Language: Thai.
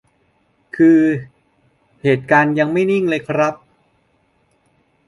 คือ เหตุการณ์ยังไม่นิ่งเลยครับ